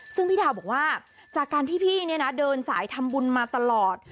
ซึ่งพี่ดาวบอกว่าจากการที่พี่เนี่ยนะเดินสายทำบุญมาตลอด